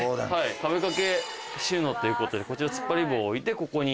壁掛け収納っていうことでこちら突っ張り棒を置いてここに。